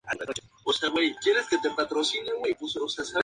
En tierra es sumamente veloz, a diferencia de las tortugas de tierra.